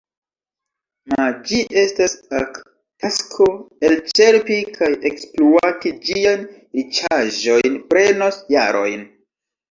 Ma ĝi estas ak tasko: elĉerpi kaj ekspluati ĝiajn riĉaĵojn prenos jarojn.